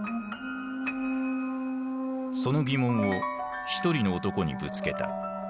その疑問を一人の男にぶつけた。